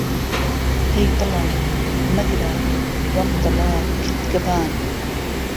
ههی دڵه -- ،مهگره، وهم دڵه کردگه بان